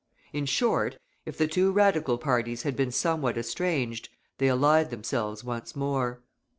In short, if the two Radical parties had been somewhat estranged, they allied themselves once more.